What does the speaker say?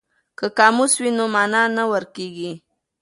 که قاموس وي نو مانا نه ورکیږي.